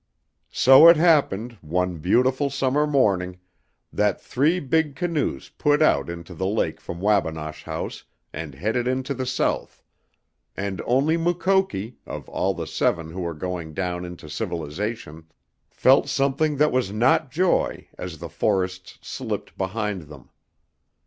So it happened, one beautiful summer morning, that three big canoes put out into the lake from Wabinosh House and headed into the South, and only Mukoki, of all the seven who were going down into civilization, felt something that was not joy as the forests slipped behind them.